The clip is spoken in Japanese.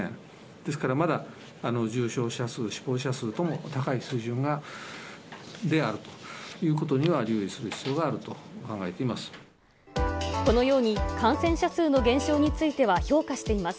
ですからまだ、重症者数、死亡者数とも高い水準であるということには留意する必要があるとこのように、感染者数の減少については評価しています。